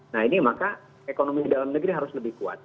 nah ini maka ekonomi dalam negeri harus lebih kuat